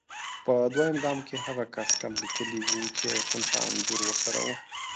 په دویم ګام کې هغه کس کم لیکلي وو چې خنثی انځور ورسره وو.